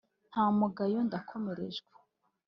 Nta mugayo ndakomerejwe